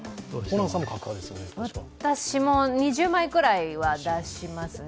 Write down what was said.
私も２０枚くらいは出しますね。